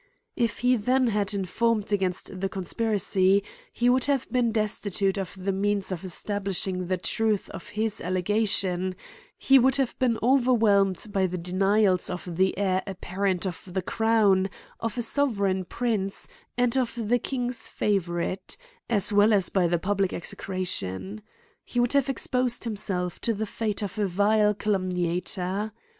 If he then had informed against the conspiracy, he would have been destitute of the means of establishing the truth of his allegation ; he would have been overwhelmed by the denials of the heir apparent of the Crown, of a sovereign prince, and of the king's favourite ; as well as by the public execra tion. He would have exposed himself to the fate of a vile calumniator.